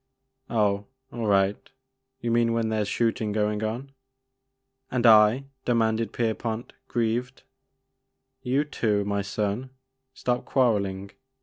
" Oh, all right, — ^youmean when there 's shoot ing going on?'* And I ?" demanded Kerpont, grieved. You too, my son ; stop quarelling